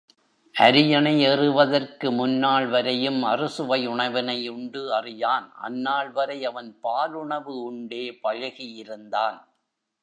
அரியணை ஏறுவதற்கு முன்னாள்வரையும் அறுசுவை உணவினை உண்டு அறியான் அந்நாள் வரை அவன் பாலுணவு உண்டே பழகி இருந்தான்.